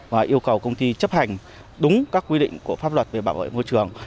và yêu cầu công ty chấp hành đúng các quy định của pháp luật về bảo vệ môi trường